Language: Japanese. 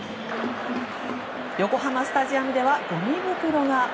横浜スタジアムではごみ袋が。